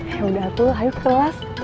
ya udah tuh ayo ke kelas